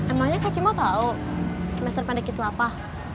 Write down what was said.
emangnya kak cimo tau semester pendek itu apa